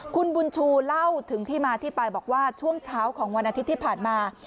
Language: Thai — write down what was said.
คุณบุญชูเล่าถึงที่มาที่ไปบอกว่าช่วงเช้าของวันอาทิตย์ที่ผ่านมา